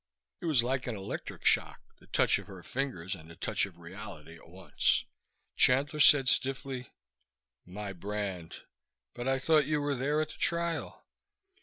It was like an electric shock the touch of her fingers and the touch of reality at once. Chandler said stiffly, "My brand. But I thought you were there at the trial."